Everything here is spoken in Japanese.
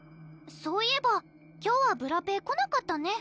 そういえば今日はブラペ来なかったね